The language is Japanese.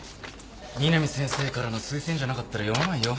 美南先生からの推薦じゃなかったら読まないよ